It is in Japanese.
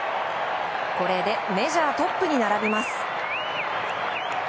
これでメジャートップに並びます。